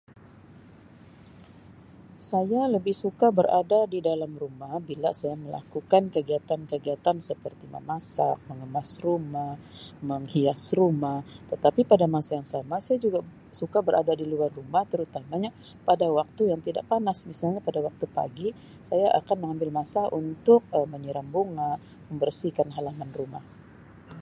Saya lebih suka berada di dalam rumah bila saya melakukan kegiatan-kegiatan seperti memasak, mengemas rumah, menghias rumah tetapi pada masa yang sama saya juga suka berada di luar rumah terutamanya pada waktu yang tidak panas misalnya pada waktu pagi saya akan memberi masa untuk Um menyiram bunga, membersihkan halaman rumah.